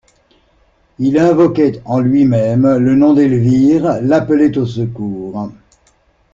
Il invoquait, en lui-même, le nom d'Elvire, l'appelait au secours.